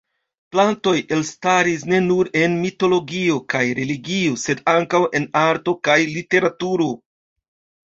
Plantoj elstaris ne nur en mitologio kaj religio sed ankaŭ en arto kaj literaturo.